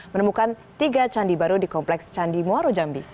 menemukan tiga candi baru di kompleks candi muaro jambi